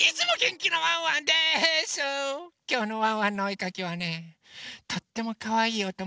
きょうのワンワンのおえかきはねとってもかわいいおともだちです。